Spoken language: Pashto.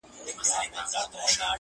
چي پکي روح نُور سي- چي پکي وژاړي ډېر-